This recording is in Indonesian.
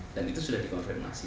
dan itu sudah dikonfirmasi